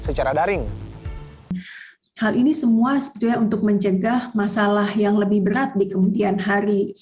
hal ini semua untuk mencegah masalah yang lebih berat di kemudian hari